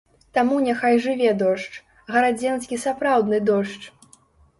Таму няхай жыве дождж, гарадзенскі сапраўдны дождж!